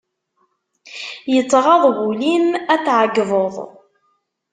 Yettɣaḍ wul-im ad t-ɛeggbeḍ.